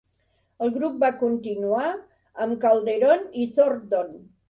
El grup va continuar, amb Calderón i Thornton.